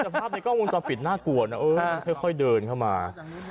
แต่ภาพในกล้องวงจรปิดน่ากลัวนะเออค่อยเดินเข้ามา